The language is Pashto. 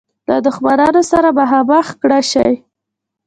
له دښمنانو سره مخامخ کړه شي.